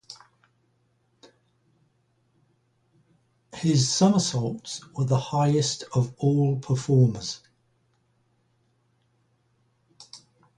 His somersaults were the highest of all performers.